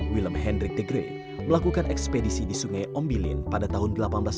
willem hendrik the grey melakukan ekspedisi di sungai ombilin pada tahun seribu delapan ratus enam puluh